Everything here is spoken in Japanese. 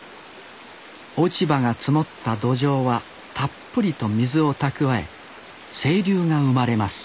落ち葉が積もった土壌はたっぷりと水を蓄え清流が生まれます